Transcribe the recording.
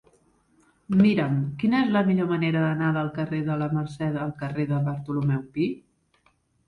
Mira'm quina és la millor manera d'anar del carrer de la Mercè al carrer de Bartomeu Pi.